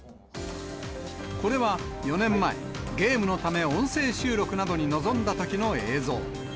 これは４年前、ゲームのため、音声収録などに臨んだときの映像。